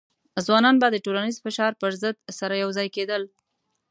ځوانان به د ټولنیز فشار پر ضد سره یوځای کېدل.